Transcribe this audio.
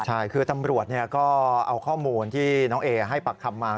ใช่คือตำรวจก็เอาข้อมูลที่น้องเอให้ปักคำมา